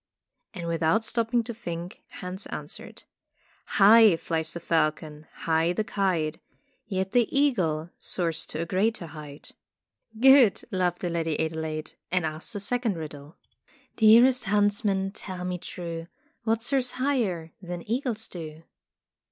And without stopping to think Hans answered : "High flies the falcon, high the kite. Yet the eagle soars to a greater height." "Good," laughed the Lady Adelaide, and asked a second riddle: 140 Tales of Modern Germany "Dearest huntsman, tell me true, What soars higher then eagles do?